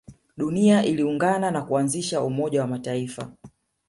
dunia iliungana na kuanzisha umoja wa mataifa